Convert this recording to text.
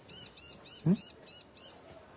うん？